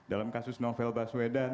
dalam kasus novel basuh ya kan